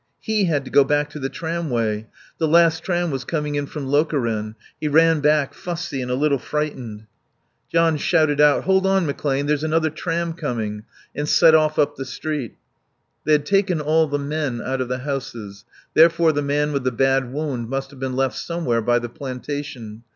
He had to go back to the tramway. The last tram was coming in from Lokeren. He ran back, fussy and a little frightened. John shouted out, "Hold on, McClane, there's another tram coming," and set off up the street. They had taken all the men out of the houses; therefore the man with the bad wound must have been left somewhere by the plantation.